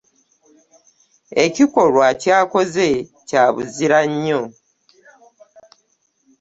Emikolwa yakoze kya buzira nnyo.